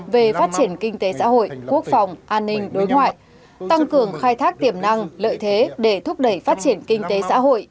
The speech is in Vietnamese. về phát triển kinh tế xã hội quốc phòng an ninh đối ngoại tăng cường khai thác tiềm năng lợi thế để thúc đẩy phát triển kinh tế xã hội